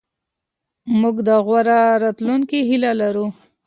موږ د غوره راتلونکي هیله لرو.